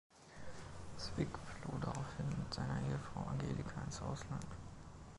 Zwick floh daraufhin mit seiner Ehefrau Angelika ins Ausland.